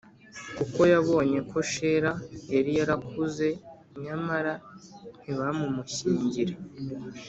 Kuko yabonye ko shela yari yarakuze nyamara ntibamumushyingire